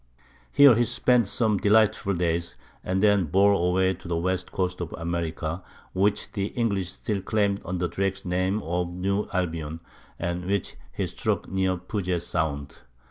Here he spent some delightful days, and then bore away to the west coast of America, which the English still claimed under Drake's name of New Albion, and which he struck near Puget Sound.